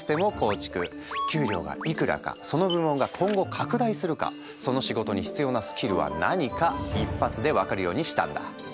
給料がいくらかその部門が今後拡大するかその仕事に必要なスキルは何か一発で分かるようにしたんだ。